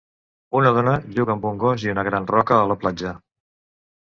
Una dona juga amb un gos i una gran roca a la platja.